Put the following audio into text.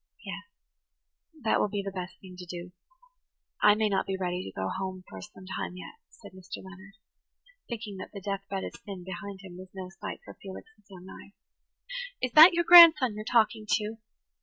"Yes, that will be the best thing to do. I may not be ready to go home for some time yet," said Mr. Leonard, thinking that the death bed of sin behind him was no sight for Felix's young eyes. "Is that your grandson you're talking to?"